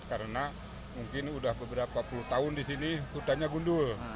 karena mungkin sudah beberapa puluh tahun di sini hudannya gundul